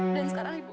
dari sekarang ibu